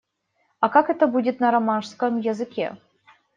А как это будет на романшском языке?